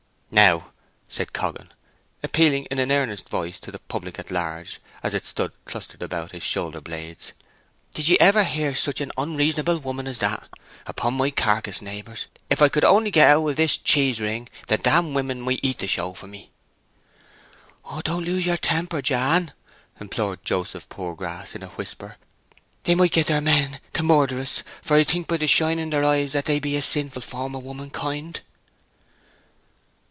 "Now," said Coggan, appealing in an earnest voice to the public at large as it stood clustered about his shoulder blades, "did ye ever hear such onreasonable woman as that? Upon my carcase, neighbours, if I could only get out of this cheese wring, the damn women might eat the show for me!" "Don't ye lose yer temper, Jan!" implored Joseph Poorgrass, in a whisper. "They might get their men to murder us, for I think by the shine of their eyes that they be a sinful form of womankind."